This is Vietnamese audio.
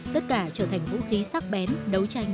tất cả trở thành vũ khí sắc bén đấu tranh